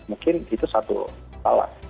mungkin itu satu salah